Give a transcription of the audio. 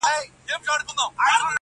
ماسومان له هغه ځایه وېرېږي تل-